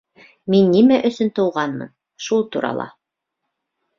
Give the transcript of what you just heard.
Мин нимә өсөн тыуғанмын, шул турала.